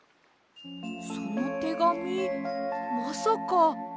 そのてがみまさか。